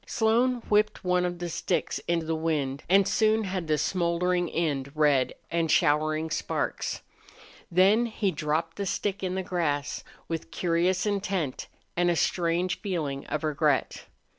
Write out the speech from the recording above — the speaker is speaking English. Slone whipped one of the sticks in the wind and soon had the smouldering end red and showering sparks. Then he dropped the stick in the grass, with curious intent and a strange feeling of regret.